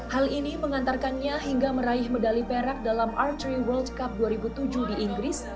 hal ini mengantarkannya hingga meraih medali perak dalam arthury world cup dua ribu tujuh di inggris